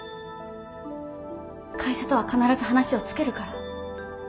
会社とは必ず話をつけるから。